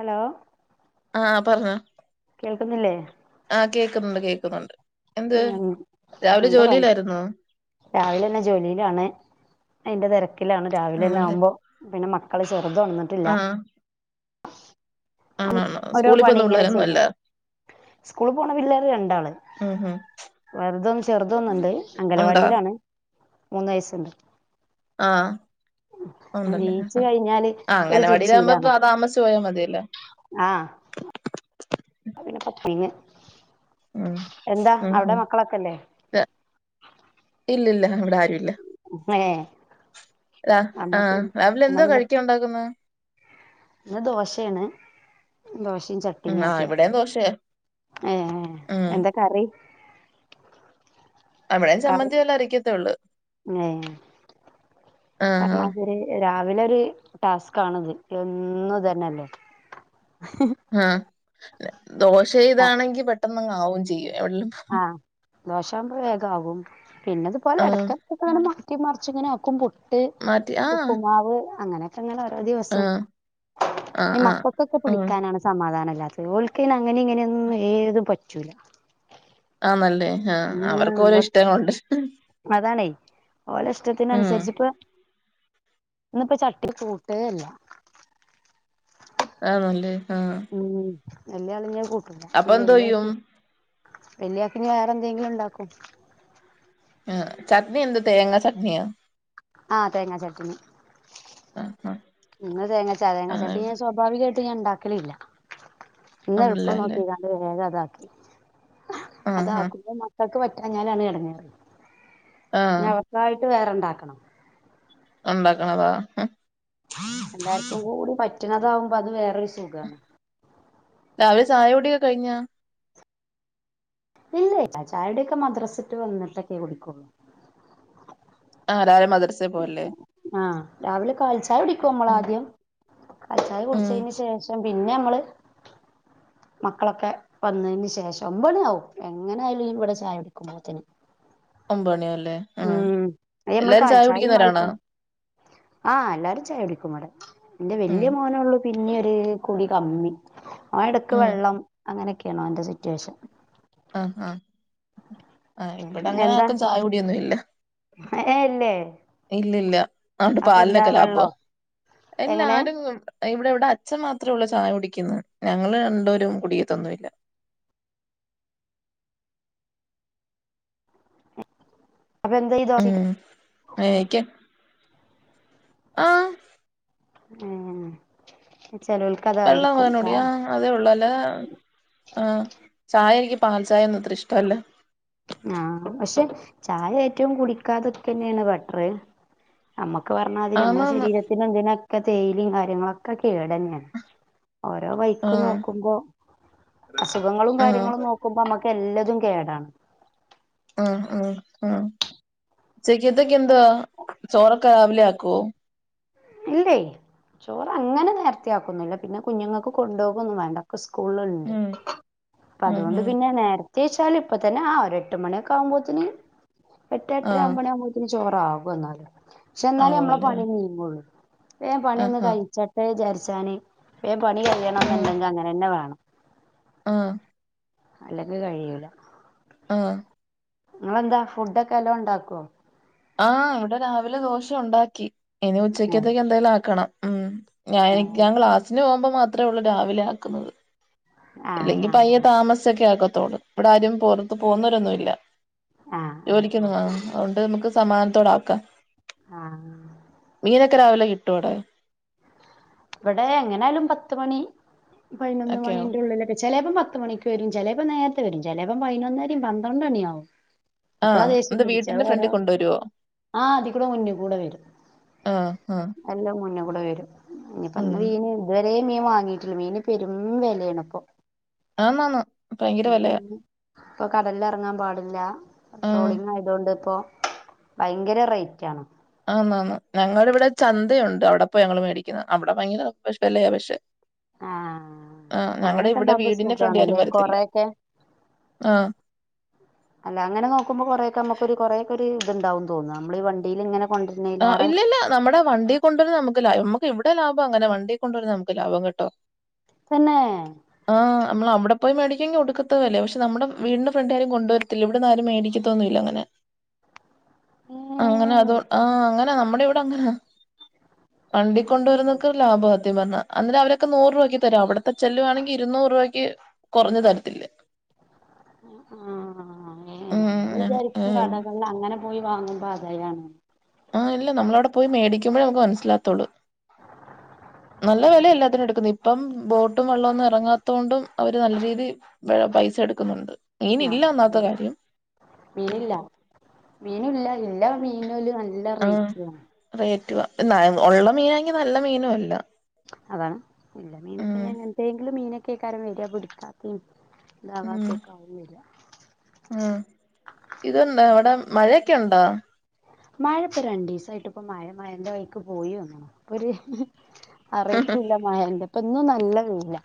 Hello ആഹ് ആഹ് പറഞ്ഞോ. കേൾക്കുന്നില്ലേ? ആഹ് കേക്കുന്നുണ്ട് കേക്കുന്നുണ്ട്. എന്ത് ഉം രാവിലെ എന്താ പണി ജോലിയിലായിരുന്നോ? രാവിലെന്നെ ജോലിയിലാണ് അയിന്റെ തെരക്കിലാണ് രാവിലെന്നെ ആണല്ലേ ആവുമ്പോ. പിന്നെ മക്കള് ചെറുതൊണന്നിട്ടി ആഹ് ഉം ആണാണോ ഓരോ സ്കൂളിൽ പോകുന്ന പണിങ്ങനെ പിള്ളേരൊന്നും ചെയ്യാ അല്ല സ്കൂള് പോണ പിള്ളേരു രണ്ടാള്. ഉം ഉം വെറുതൊന്ന് ചെറുതൊന്നുണ്ട് ഉണ്ടോ അംഗലവാടിയിലാണ് മൂന്ന് വയസ്സുണ്ട്. ആഹ് ഉണ്ടല്ലേ നീച്ച് കഴിഞ്ഞാല് ആഹ് ഒരു തുച്ചിയിലാണ് അങ്ങനവാടിയിലാവമ്പോ താമസിച്ചു പോയാ മതിയല്ലോ. ആഹ് അത്പിന്നെ കൊപ്പീങ്ങ് എന്താ അവ്ടെ മക്കളൊക്കെല്ലേ? ട്ട് ഇല്ലല്ല ഇവ്ടാരുല്ല. ഏ അ അന്നാ ആഹ് പിന്നെ രാവിലെ എന്നാ എന്താ പിന്നെ കഴിക്കാ ഉണ്ടാക്കുന്നേ? ഇന്ന് ദോശേണ് ദോശിം ചട്ട്ണിം. ഉം ട്ട്ണി ആഹ് ആക്കിക്ക ഇവിടെയും ദോശയാ ഏഹ് ഉം എന്താക്കറി? അവിടേം കറി ചമ്മന്തിം വല്ലോ അരക്കത്തൊള്ളൂ. ഏഹ് ആഹ് ആഹ് പറ്ഞ്ഞാതിരി രാവിലെ ഒരു ടാസ്ക്കാണ്ത് എന്നുതന്നെല്ലേ. ആഹ് ദോശ ഇതാണെങ്കി പെട്ടെന്നങ് ആവും ചെയ്യും. എവിട്ലും ആഹ് ദോശാവുമ്പോ വേഗാകും പിന്നതുപോലെ ആഹ് എടക്കടക്ക്ങ്ങനെ മാറ്റി മറിച്ച് ഇങ്ങനാക്കും. പു പുട്ട്, മാറ്റി ആഹ് ഉപ്പുമാവ് അങ്ങനെ ങ്ങനെ ഓരോ ദിവസം ആഹ് ആഹ് ഇ ആഹ് മക്കക്കൊക്കെ ആഹ് പിടിക്കാനാണ് സമാധാനല്ലാത്ത ഓൽക്കയ്നങ്ങനിങ്ങനൊന്നും ഏത് പറ്റൂല. ആന്നല്ലേ ആഹ് അവർക്കോരോ ഇഷ്ടങ്ങളുണ്ട്. അതാണെ ഉം ഓലഷ്ടത്തിനനുസരിച്ച്പ്പോ ഇന്ന്പ്പൊ ചട്ടിണി കൂട്ടേല്ല. ആന്നല്ലേ ആഹ്. ഉം വല്ല ആളും ഞാൻ കൂട്ടുല. അപ്പൊ ഇഞ്ഞ് എന്തോ ചെയ്യും വല്യാൾക്ക് വല്യാക്കിനി വേറെ എന്തെങ്കിലും ഉണ്ടാകും ഉഉം ചട്നി എന്ത് തേങ്ങ ചട്നിയോ ആഹ് തേങ്ങാചട്നി ആഹ് ആഹ് ഇന്ന് തേങ്ങാച്ചാ ആഹ് തേങ്ങാച്ചാട്നി ഞാൻ സ്വാഭാവികമായിട്ട് ഞാൻ ഉണ്ടാക്കലില്ല ഇന്ന് എളുപ്പം ആണല്ലേല്ലേ നോക്കിയതാ വേഗ അത്ക്കി ആഹ് ആഹ് അത്ആകുമ്പോന്നാ- ൾക്ക് പറ്റാ ഞാനാണ് എടങ്ങേറ് ആഹ് അവക്കായിട്ട് വേറെണ്ടാക്കണം ഉണ്ടാക്കണതാ എല്ലാവർക്കും കൂടി പറ്റണതാവുമ്പോ അത് വേറൊരു സുഖാണ് രാവിലെ ചായകുടി കഴിഞ്ഞ ഇല്ല ചായയുടെയൊക്കെ മദ്രസട്ട് വന്നിട്ടൊക്കെ കുടിക്കുള്ളൂ ആഹ് രാവിലെ മദ്രസൽ പോവല്ലേ ആഹ് രാവിലെ കാൽചായ കുടിക്കും മ്മളാ ഉം ആദ്യം കാൽ ചായ ഉം കുടിച്ചതിന് ശേഷം പിന്നെ നമ്മള് മക്കളൊക്കെ വന്നതിന് ശേഷം ഒമ്പണി ആവും എങ്ങനെ ആയാലും ഇവിടെ ചായ പിടിക്കുമ്പോത്തന് ഒമ്പണി അല്ലേ ഉം നമ്മള് കാൽ ചായയും ആയിട്ട ആഹ് എല്ലാരും ചായ കുടിക്കും ഇവടേ എന്റെ ഉം വല്യ മോന ഉള്ളു പിന്നെ ഒരു കുടി കമ്മി ഓൻ എടക്ക് ഉം വെള്ളം അങ്ങനെയക്കെയാണോൻ് സിറ്റുവേഷൻ ആഹ് ആഹ് ആ് എന്താ ഇപ്പടങ്ങനെ ചായകുടിയൊന്നുല്ല ഏഹ് ഇല്ലേ ഇല്ല ഇല്ല അതോണ്ട് അപ്പൊ എന്താ പാലിനൊക്കെ ലാബാ വെള്ളോ ഇല്ല എങ്ങനെ ആരും ഇവിടെ ഇവിടെ അച്ഛൻ മാത്രമേള്ളൂ ചായ കുടിക്കുന്നെ ഞങ്ങള്ൾ രണ്ടരും കുടിയത്തൊന്നുമല്ല അപ്പ എന്ത ഈ ദോശിക്ക് ഉം അക്ക [unintelligible] ആഹ് ഏഹ് ചേലോൽക് വെള്ളം അതായിരിക്കും പകർന്ന് ചാ- കുടിക്കും ആഹ് അതേ ഉള്ളൂ അല്ലേ ആ ചായ എനിക്ക് പാൽ ചായന്ന് ഇത്ര ഇഷ്ടല്ലേ ആ പക്ഷെ ചായ ഏറ്റവും കുടിക്കാതൊരികന്നെ ബട്ടർ നമ്മുക്ക് പറഞ്ഞാൽതിരി നമ്മളെ ആന്നാന്ന് ശരീരത്തിന് എന്തിനൊക്കെ തേയിലും കാര്യങ്ങളൊക്കെ കേടന്നെയാണ് ഓരോ വൈക്ക് ആഹ് നോക്കുമ്പോ അസുഖങ്ങളും ആഹ് കാര്യങ്ങളും നോക് ന്പ നമ്മക്ക് എല്ലാതും കേടാണ് ആഹ് ആഹ് ഉച്ചക്കത്തിന് എന്തുവാ ചോറൊക്കെ രാവിലെ ആക്കോ ഇല്ലേ ചോറ് അങ്ങനെ നേരത്തി ആക്കുന്നില്ല പിന്നെ കുഞ്ഞുങ്ങൾക്ക് കൊണ്ടുപോകൊന്നും വേണ്ട ക്ക സ്കൂളൾ ഉണ്ട് ഉം അപ്പൊ ഉം അതുകൊണ്ട് ഉം പിന്നെ നേരത്തെ തേശാല് ഇപ്പത്തനെ ആഹ് ആഹ് ഒര് എട്ട് മണിയൊക്ക ആഉമ്പോത്തിനി എട്ട് എട്ടര ആഹ് ഒമ്പണി ആഉമ്പോ ന് ചോറാവന്നാല് ക്ഷെ എന്നാലേ നമ്മളെ ആവുവല്ലേ പണി നീങ്ങോള്ളൂ വേം ആഹ് പണിയൊന്ന് ആഹ് കഴിച്ചട്ടെ വിചരിച്ചാന് വേം പണി കയ്യണം ആഹ് ന്നുണ്ടെങ്കി അങ്ങനെന്നെ വേണം ആഹ് അല്ലങ്കി കഴിയൂല ആഹ് ങ്ങളെന്താ ഫുഡൊക്കെ എല്ലോ ണ്ടാക്കോ ആഹ് ഇവിടെ രാവിലെ ദോശ ഉണ്ടാക്കി ഇനി ഏഹ് ഉച്ചക്കത്തേക്ക് എന്തേലും ആക്കണം ഉം ഞാന്ക്കാൻ ഏഹ് ക്ലാസ്സിന് പോഉമ്പം മാത്രേ ഉള്ളൂ രാവിലെ ആക്കുന്നത് ആഹ് ഇല്ലെങ്കി പയ്യെ ആഹ് താമസക്കെ ആക്കത്തോള്ളൂ ഇവിടെ ആരും പുറത്ത് പോകുന്നവരൊന്നുല്ല ആഹ് ആഹ് ജോലികൊന്നും ആഹ് അതൊണ്ട് നമുക്ക് സമാനത്തോട ആക്കാം ആഹ് ക്കെ രാവിലെ കിട്ടോടെ ഇവടെ എങ്ങനൊയാലും പത്ത്മണി പയ്നൊന്ന് ഒക്കെയോ മണിന്റെ ഉള്ളിലൊക്കെ ചെലേപ്പം പത്തുമണി വരും ചേലെപ്പോം നേരത്തെ വരും ചേലേപ്പം പതിനൊന്നരയും പന്ത്രണ്ട് മണിയാവും അപ്പളാ ആഹ് ദേശ്യം എന്താ പിടിച്ച വീട്ടിന്റെ ഓരോ ഫ്രണ്ടിൽ കൊണ്ടുവരുവോ ആഹ് അതി കൂടെ മുന്നി കൂടെ വരും ആഹ് ആഹ് എല്ലാം മുന്നേ കൂടെ വരും ഉം ഇനിയിപ്പോന്ന് വീന് വേം മീൻ വാങ്ങിട്ടില്ല മീന് ഇപ്പൊ പെരും വെലയാണപ്പോ. ആന്നാന്ന് ഭയങ്കര വിലയാ ഇപ്പൊ കടലിറങ്ങാൻ പാടില്ല ആഹ് ട്രോളിങ് ആയതൊണ്ട് ഇപ്പോ ഭയങ്കര റേറ്റ് ആണ്. ആന്ന് ആന്ന് ഞങ്ങടിവിടെ ചന്തയുണ്ട് അവിടെ പോയ ഞങ്ങള് മേടിക്കുന്നത് അവിടെ ഭയങ്കര വിലയ പക്ഷെ ആ ആഹ് അങ്ങനെയൊക്കെ ഞങ്ങടിവിടെ ഉണ്ടാവുമ്പോ വീടിന്റെ ഫ്രണ്ടിൽ ആരും സുഖാണല്ലേ വരത്തില്ല കൊറെയൊക്കെ ആഹ് അല്ല അങ്ങനെ നോക്കുമ്പോ കൊറെ ഒക്ക നമുക്കൊരു കുറേ ഒക്കെ ഒരു ഇത്ണ്ടാവുന്ന് തോന്ന നമ്മള് ഈ വണ്ടിൽല് ഇങ്ങന ആഹ് ഇല്ലില്ല നമ്മടെ വണ്ടി കൊണ്ടരു നമക്ക് ല നമക്ക് ഇവിടെ ലാഭം അങ്ങനെ വണ്ടി കൊണ്ടോരുന്നതാ നമുക്ക് ലാഭം കെട്ടോ തന്നെ ആഹ് നമ്മള് അവിടെ പോയി മേടിക്കങ്കി ഒടുക്കത്ത വിലയ പക്ഷെ നമ്മുടെ വീടിന്റെ ഫ്രണ്ടിൽ ആരും കൊണ്ടുവരത്തില്ല ഇവിടന്നും ആരും മേടിക്കത്തൊന്നുല്ല അങ്ങനെ. അങ്ങനെ ഏഹ് അത് ആഹ് അങ്ങനെ നമ്മുടെ ഇവിടെ അങ്ങനാ വണ്ടി കൊണ്ടുവരുന്നൊക്ക ലാഭവാ സത്യം പറഞ്ഞ അന്നരം അവരൊക്കെ നൂറ് രൂപയ്ക്ക് തരും അവിടുത്തെ ചെല്ലുവാണെങ്കി ഇരുന്നൂറ് രൂപയ്ക്ക് കുറഞ്ഞു തരത്തില്ല ആഹ് എഹ് നമ്മള് വിചാരിക്കും ഉം കടകൾല് അങ്ങനെ പോയി വാങ്ങുമ്പോ ആതായാണ്ന്ന് ആഹ് അല്ല നമ്മളവിടെ പോയി മേടികുമ്പഴേ നമുക്ക് മനസ്സിലാവതോള്ള് നല്ല വെലാ എല്ലാത്തിനും എടുക്കുന്നെ ഇപ്പം ബോട്ടും വെള്ളോന്നും ഇറങ്ങാതൊണ്ടും അവര് നല്ല രീതി പൈസ എടുക്കുന്നുണ്ട്. മീനില്ല ആഹ് ഒന്നാമത്ത കാര്യം. മീനില്ല മീനില്ല ഇല്ല മീൻനോല് നല് ല്ല ആഹ് റേറ്റുവാ റേറ്റുവാ ന്ന ഒള്ള മീനാങ്കി നല്ല മീനും അല്ല അതാണ് ഇല്ല മീനൊക്കെ ഉം ഇഞ് എങ്ങൻതേങ്കിലും മീനൊക്കെയ്കാരം വര്അ പിടിക്കാത്തീ ഉം ദാവാത്തേക്കാവുന്നില്ല ഉം ഇതുണ്ടോ അവിടെ മഴയൊക്കെ ഉണ്ടോ മഴപ്പോ രണ്ടീസായിട്ട് ഇപ്പ മഴ മഴെന്റ വഴിക്ക് പോയി ഓന്ന്ണ് പരു അറിയിപ്പൂല്ല മായന്റെപ്പൊ ഇന്നും നല്ല വെയ്ലാ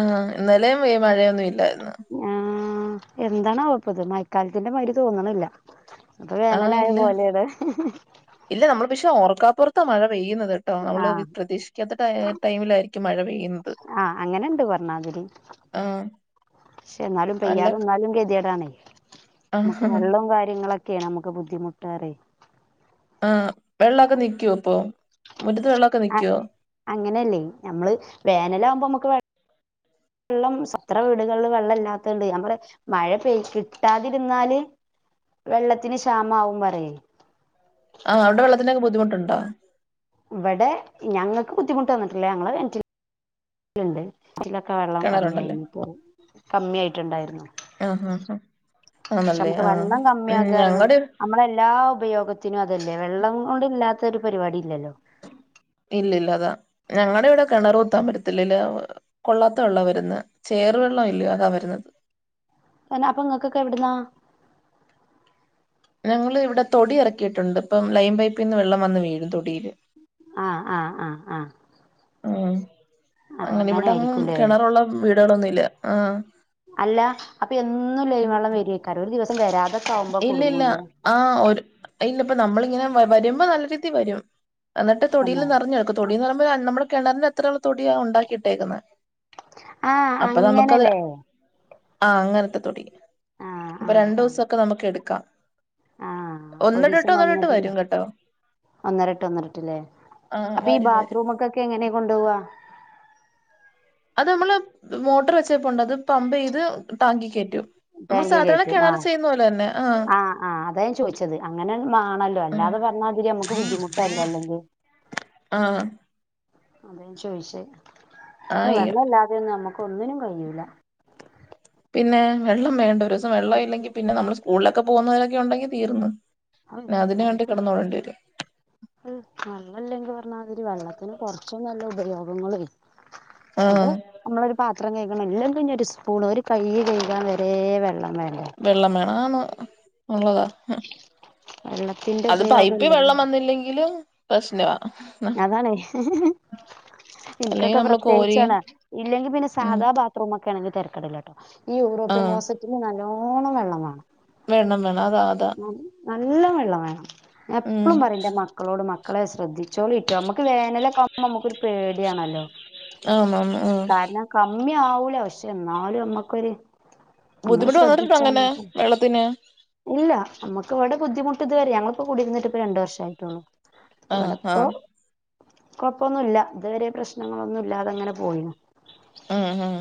ആഹ് ഇന്നലെയും വെ മഴയൊന്നും ഇല്ലായിരുന്നു ആഹ് എന്താണാവോപ്പത് മയക്കാലത്തിന്റെ മാരി തോന്നണില്ല ഇപ്പൊ വേനലായ പോലെയാണ് ഇല്ലാ നമ്മള് പക്ഷെ ഓർക്കാപ്പുറത്താ മഴ പെയ്യുന്നത്. ട്ടോ നമ്മള് വി ആഹ് പ്രതീക്ഷിക്കാത്ത ട ടൈമിലായിരിക്കും മഴ പെയ്യുന്നത്. ആഹ് അങ്ങനെണ്ട് പറഞ്ഞാതിരി ആഹ് പക്ഷെ ഇന്നാലും അല്ല പെയ്യാതെന്നാലും ഗതിയേടാണെ നമ്മക്ക് ആഹ് വെള്ളോം കാര്യങ്ങളൊക്കെയാണ് നമ്മക്ക് ബുദ്ധിമുട്ടേറേ ആഹ് വെള്ളൊക്കെ നിക്കോ ഇപ്പം മുറ്റത്ത് വെള്ളവൊക്കെ ആഹ് നിക്കുവോ അങ്ങനെയല്ലേ ഞമ്മള് വേനലാകുമ്പോമ്മക്ക് വെ വെള്ളം സ് എത്ര വീടുകളില് വെള്ളം ഇല്ലാത്തണ്ട് ഞാ പറയാ മഴ പെയ് കിട്ടാതിരുന്നാല് വെള്ളത്തിന് ക്ഷാമാവും പറയെ ആഹ് അവിടെ വെള്ളത്തിനൊക്കെ ബുദ്ധിമുട്ടുണ്ടോ? ഇവടെ ഞങ്ങക്ക് ബുദ്ധിമുട്ട് വന്നിട്ടില്ലാ ഞങ്ങള് കെണറ്റില് ല്ണ്ട് ഇതിലൊക്കെ വെള്ളം കിണറുണ്ടല്ലേ കമ്മിയായിനിപ്പോ കമ്മിയായിട്ട്ണ്ടായിരുന്നു. ആഹ് ആഹ് ആഹ് പക്ഷെ ആണല്ലേ നമുക്ക് ആഹ് വെള്ളം ഉം കമ്മിയാകാ പറീണത് ഞങ്ങടെ നമ്മളെ എല്ലാ ഉപയോഗ ത്തിനും അതല്ലേ വെള്ളം കൊണ്ടില്ലാത്തൊരു പരിപാടിം ഇല്ലല്ലോ ഇല്ലഇല്ല അതാണ് ഞങ്ങടെ ഇവിടെ കെണറ് കുത്താൻ പറ്റത്തില്ലല്ലോ കൊള്ളാത്ത വെള്ളവാ വരുന്ന് ചേറ് വെള്ളം ഇല്ലിയോ അതാ വര്ന്നത് ങ്ങനെ അപ്പൊ ഇങ്ങക്കൊക്കെ എവ്ട്ന്നാ ഞങ്ങള് ഇവിടെ തൊടി എറക്കിയിട്ടുണ്ട് അപ്പം ലൈൻ പൈപ്പിന്ന് വെള്ളം വന്ന് വീഴും തൊടിയില്. ആഹ് ആഹ് ആഹ് ആഹ് ഉം ആഹ് അങ്ങനെ ഇവിടെങ്ങും ആയിരിക്കൂല്ലേ കെണറുള്ള വീടുകളൊന്നും ഇല്ല ആഹ് അല്ല അപ്പൊ എന്നും ലൈൻ വള്ളം വെരൊയ്ക്കാരം ഒരു ദിവസം വരാതെക്കെ ആവു ഇല്ല ഇല്ല ആഹ് ഒര് ഇല്ല ഇപ്പ നമ്മളിങ്ങനെ വ വരുമ്പൊ നല്ല രീതി വരും എന്ന്ട്ട് തൊടീല് തന്നെ നെറഞ്ഞെട്ക്കും തൊടിന്ന് പറയ്മ്പൊ നമ്മള് കെണറിന്റെ അത്രയുള്ള തൊടിയാ ഉണ്ടാക്കിയിട്ടേക്ക്ന്നേ ആഹ് അപ്പൊ നമ്മ്ക്കത് അങ്ങനല്ലേ ആഹ് അങ്ങനെത്തെ തൊടി ആഹ് ഇപ്പൊ ആഹ് ആഹ് രണ്ടുസം ഒക്കെട്ക്കാ ആഹ് അപ്പൊ ഒന്നിടവിട്ട് ഒരീസം ഒന്നിടവിട്ട് വന്നിട്ടില്ല വരും കെട്ടോ ഒന്നരട്ട് ഒന്നരട്ട്ല്ലേ അപ്പൊ ഈ വരും വരും ബാത്റൂമ്ക്കൊക്കെ എങ്ങനേ കൊണ്ടോവാ അത് നമ്മള് മോട്ടറ് വെച്ചിരിപ്പൊണ്ട് അത് പമ്പെയ്ത് ടാങ്കി കേറ്റും നമ്മള് ടാങ്കി സാദാരണ കയറ്റും കെണറി ആഹ് ചെയ്യുന്ന പോലെതന്നെ ആഹ് ആഹ് ആഹഹ് അതാ ഞാൻ ചോദിച്ചത് അങ്ങനെഅഹ് മാണല്ലോ ആഹ് അല്ലാതെ പറഞ്ഞാതിരി ഞമ്മക്ക് ബുദ്ധിമുട്ടല്ലേ അല്ലെങ്കേ ആഹ് ആഹ് ആഹ് അത ഞാൻ ചോയിച്ചേ എഹ് ആയി വെള്ള ഇല്ലാതെ ഒന്നും ഞമ്മക്ക് ഒന്നിനും കയ്യൂല പിന്നേ വെള്ളം വേണ്ടേ ഒരുസം വെള്ളം ഇല്ലെങ്കി പിന്നെ നമ്മള് സ്കൂൾളൊക്കെ പോക്ന്നവരൊക്കെയൊണ്ടെങ്കി തീർന്ന് അഹ് പിന്നെ അതിന് വേണ്ടി പർഞ്ഞ് കിടന്നോടേണ്ടി വരും [unintelligible] അഹ് വെള്ളല്ലെങ്കി പർഞ്ഞാതിരി വെള്ളത്തിന് കൊർച്ചൊന്നും അല്ല ഉപയോഗങ്ങളേ അത് ആഹ് നമ്മളൊരു പാത്രം കെഴ്കണെങ്കി അല്ലെങ്കി ഇഞ് ഒര് സ്പൂണ് ഒരു കയ്യ് കെഴ്കാൻ വെരേ വെള്ളം വേണ്ടേ വെള്ളം വേണം ആണ് ഉള്ളതാ ഉം വെള്ളത്തിന്റെ അത് ഉപയോഗം പൈപ്പി ഇല്ലെങ്കിൽ വെള്ളം വന്നില്ലെങ്കിലും പ്രശ്നവാ അതാണെയ് അല്ലെങ്കി ഇൻക്കൊക്കെ നമ്മള് കോരി പ്രത്യേകിച്ചാണ് ഇല്ലെങ്കി പിന്നെ ഉം സാധാ ബാ ത്രൂമൊക്കെ ആണെങ്കി തെരക്കടില്ലട്ടോ ഈ യൂറോപ്യൻ ആഹ് ക്ലോസറ്റിന് നല്ലോണം വെള്ളം വേണം വേണം വേണം അതാ അത് നല്ലം വെള്ളം വേണം ഞാ ഉം എപ്പളും പറയും ഇന്റെ മക്കളോട് മക്കളെ ശ്രദ്ധി ച്ചോളിട്ടോ അമ്മക്ക് വേനലൊക്കെ ആവുമ്പൊ അമ്മ്ക്കൊരു പേടിയാണല്ലോ ആണ് ആണ് ആഹ് കാരണം കമ്മി ആവൂല പക്ഷെ ഇന്നാലു ഞമ്മക്കൊര് ബുദ്ധിമുട്ട് [unintelligible] അങ്ങനെ വെള്ളത്തിന് ഇല്ല നമ്മക്ക് ഇവ്ടെ ബുദ്ധിമുട്ട് ഇത് വരെ ഞങ്ങളിപ്പൊ കുടിരുന്നിട്ട് ഇപ്പ രണ്ട് വർഷായിട്ടൊള്ളു ആഹ് ഇവിടെപ്പൊ ആഹ് കൊഴപ്പൊന്നുല്ല ഇതുവരെ പ്രശ്നങ്ങളൊന്നും ഇല്ലാതെ അങ്ങനെ പോയീന്നു ഉം ഉം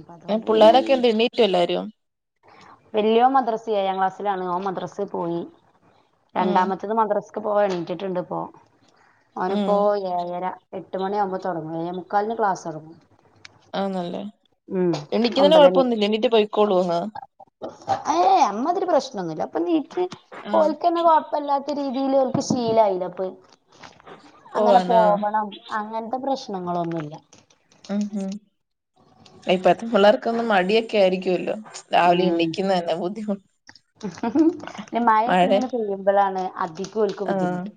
അപ്പൊ എൻ അതുകൊണ്ട് പിന്നെ പുള്ളാരൊക്കെ എന്ത എണ്ണീറ്റൊ എല്ലാരും വല്യോൻ മദ്രസി ഏയാം ക്ലാസ്സിലാണ് ഓൻ മദ്രസി പോയി ഉം രണ്ടാമത്തെ ത് മദ്രസ്ക്ക് പോവാ എണീറ്റിട്ടുണ്ട്പ്പോ അവന് പോ ഉം ഏയര എട്ട് മണിയാവുമ്പൊ തൊടങ്ങും ഏയെ മുക്കാൽന് ക്ലാസൊടങ്ങും ആന്നല്ലേ എണിക്ക്ന്നേന് കൊഴപ്പൊന്നുല്ലെ എണീറ്റ പൊയ്ക്കോളോന്ന് ആഹ് അമ്മാതിരി പ്രശ്നൊന്നുല്ല അപ്പൊ നീട്ട് പോ ആഹ് ഓല്ക്കെന്നെ പ്പല്ലാത്ത രീതീല് ഓൽക്ക് ശീലായിലെ അപ്പ അങ്ങനെ പോവാനാ പോവണം അങ്ങൻത്തെ പ്രശ്നങ്ങളൊന്നുല്ല ഉം ഉം ഇപ്പത്തെ പുള്ളാർക്കൊന്ന് മടിയൊക്കെ ആയിരിക്കല്ലൊ രാവിലെ എണിക്ക്ന്നന്നെ ബുദ്ധിമു പിന്ന മയക്കെ മഴ ഇങ്ങനെ പെയ്യുമ്പഴാണ് അധികം ഓൽക്ക് ആഹ് ബുദ്ധിമുട്ട്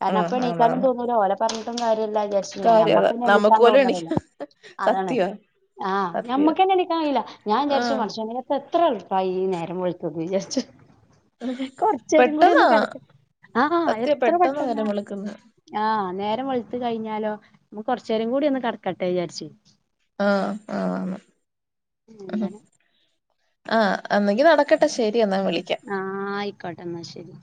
കാര്ണം ആഹ് അപ്പ ണീക്കാനും ആന്നാന്ന് തോന്നൂല ഓല പർഞ്ഞിട്ടും കാര്യമല്ലലെ ജാർച് ഞാന കാര്യ അതാ ഞമ്മക്കെന്നെ നമുക്ക് നീക്കാൻ പോലും തോന്ന്ണില്ല എണീക്ക അതാണ് സത്യവാ ആഹ് സത്യവാ നമ്മുക്കെന്നെ ണീക്ക കയ്യൂല ഞാ വിചാരിച്ചു ആഹ് മ അങ്ങനെ ഇപ്പ എത്രള്പ്പായി ഈ നേരം വെള്ത്തത് വിചാരിച്ചു കൊറ്ച്ചേരും കുടി ഒന്ന് പെട്ടെന്നാ കെടക്ക ആഹ് സത്യ എത്ര പെട്ടെന്ന് പെട്ടന്നാ നേരം വെളുക്കുന്നെ ആഹ് നേരം വെൾത്തു കഴിഞ്ഞാലൊ നമക്ക് കൊറ്ചേരം കൂടി ഒന്ന് കടക്കട്ടെ വിചാരിച്ചു ആഹ് ആഹ് ന്ന് അങ്ങനെ ആഹ് അന്നെങ്കി നടക്കട്ടെ ശെരിയെന്ന വിളിക്ക ആഹ് അയ്ക്കോട്ടെ ഇന്ന ശരി